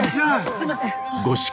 すいません。